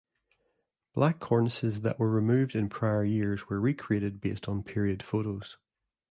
Black cornices that were removed in prior years were recreated based on period photos.